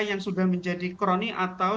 yang sudah menjadi kroni atau